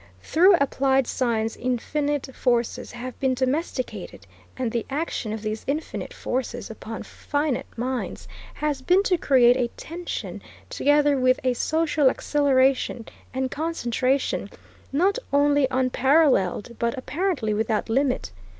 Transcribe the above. Through applied science infinite forces have been domesticated, and the action of these infinite forces upon finite minds has been to create a tension, together with a social acceleration and concentration, not only unparalleled, but, apparently, without limit.